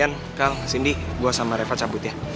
ian kang cindy gue sama reva cabut ya